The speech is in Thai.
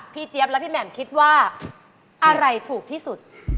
เจี๊ยบและพี่แหม่มคิดว่าอะไรถูกที่สุด